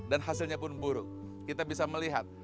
dan hasilnya pun buruk kita bisa melihat